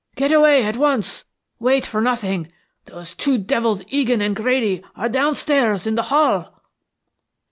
Get away at once. Wait for nothing. Those two devils Egan and Grady are downstairs in the hall."